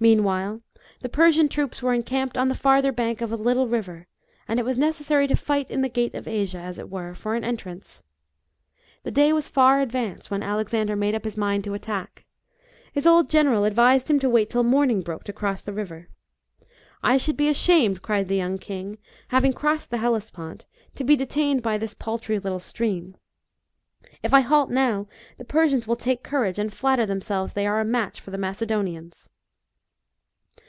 Meanwhile the Persian troops were encamped on the farther bank of a little river, and it was neces sary to fight in the gate of Asia, as it were, for an entrance. The day was far advanced when Alex ander made up his mind to attack. His old general advised him to wait till morning broke to cross the river. " I should be ashamed," cried the young king, " having crossed the Hellespont, to be detained by this paltry little stream. If I halt now, the Per sians will take courage and flatter themselves they are a match for the Macedonians."